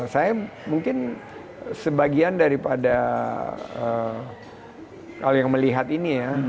saya mungkin sebagian daripada kalau yang melihat ini ya